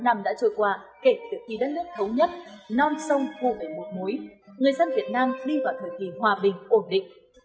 bốn mươi tám năm đã trôi qua kể từ khi đất nước thống nhất non sông hô bể một múi người dân việt nam đi vào thời kỳ hòa bình ổn định